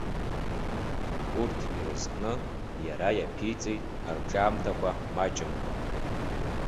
Урҭ ирызкны иара иаԥиҵеит арҿиамҭақәа маҷымкәа.